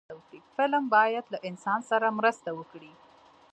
فلم باید له انسان سره مرسته وکړي